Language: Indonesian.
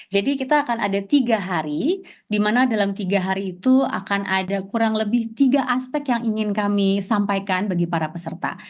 jadi kita akan ada tiga hari dimana dalam tiga hari itu akan ada kurang lebih tiga aspek yang ingin kami sampaikan bagi para peserta